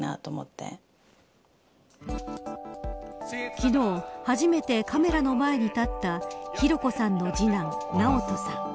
昨日初めてカメラの前に立った寛子さんの次男、尚登さん。